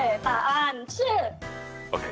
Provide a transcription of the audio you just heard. ＯＫ。